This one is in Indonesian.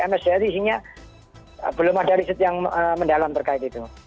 msda isinya belum ada riset yang mendalam terkait itu